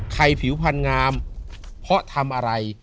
ผิวพันธ์งามเพราะทำอะไร